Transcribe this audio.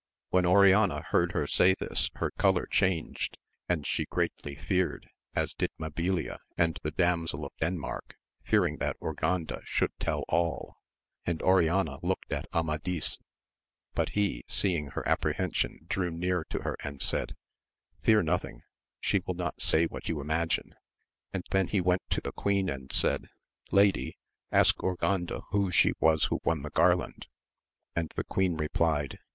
When Oriana heard her say this her colour changed, and she greatly feared, as did Mabilia and the Damsel of Denmark, fearing that Urganda should tell all ; and Oriana looked at Amadis, but he seeing her apprehension drew near to her and said, Fear nothing, she will not say what you imagine ; and then he went to the queen and said. Lady, ask Urganda who she was who won the garland, and the queen replied.